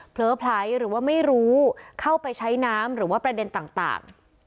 เผลอไผลหรือว่าไม่รู้เข้าไปใช้น้ำหรือว่าประเด็นต่าง